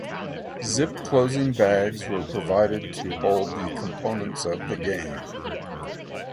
Zip closing bags were provided to hold the components of the game.